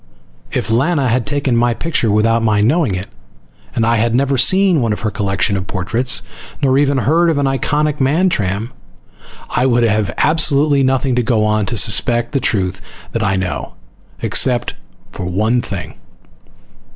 If Lana had taken my picture without my knowing it and I had never seen one of her collection of portraits, nor ever heard of an iconic Mantram, I would have absolutely nothing to go on to suspect the truth that I know. Except for one thing.